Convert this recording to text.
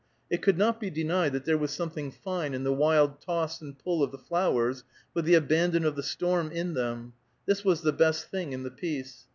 It could not be denied that there was something fine in the wild toss and pull of the flowers, with the abandon of the storm in them; this was the best thing in the piece.